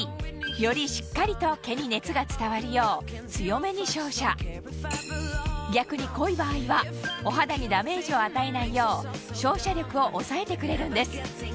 よりしっかりと毛に熱が伝わるよう強めに照射逆に濃い場合はお肌にダメージを与えないよう照射力を抑えてくれるんです